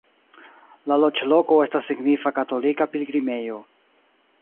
La loĝloko estas signifa katolika pilgrimejo.